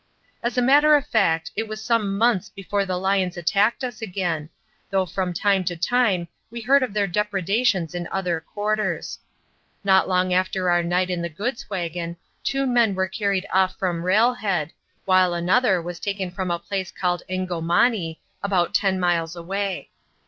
As a matter of fact, it was some months before the lions attacked us again, though from time to time we heard of their depredations in other quarters. Not long after our night in the goods wagon, two men were carried off from railhead, while another was taken from a place called Engomani, about ten miles away.